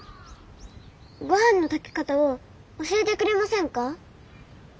ごはんの炊き方を教えてくれませんか？